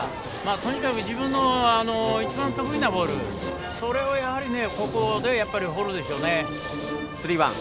とにかく自分の一番得意なボールそれをここでは放るでしょうね。